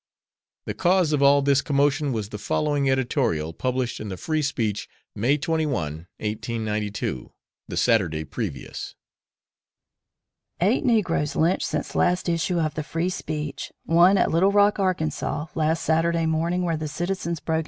The cause of all this commotion was the following editorial published in the Free Speech May 21, 1892, the Saturday previous. Eight negroes lynched since last issue of the Free Speech one at Little Rock, Ark., last Saturday morning where the citizens broke